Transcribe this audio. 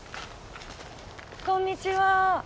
こんにちは。